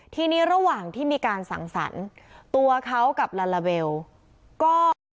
ทีนี้ระหว่างที่มีการสั่งสรรค์ตัวเขากับลาลาเบลก็